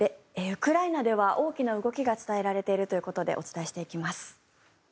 ウクライナでは大きな動きが伝えられているということでお伝えしていきます。